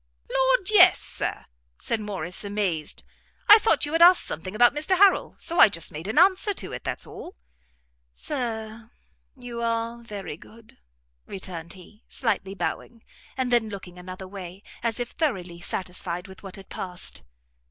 "Lord, yes, Sir," said Morrice, amazed; "I thought you had asked something about Mr Harrel, so I just made an answer to it; that's all." "Sir, you are very good," returned he, slightly bowing, and then looking another way, as if thoroughly satisfied with what had passed.